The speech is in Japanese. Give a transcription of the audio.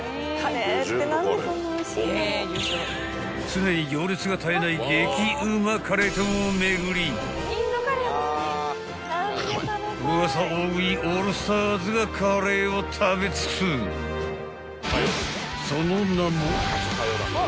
［常に行列が絶えない激うまカレー店を巡りウワサ大食いオールスターズがカレーを食べ尽くす］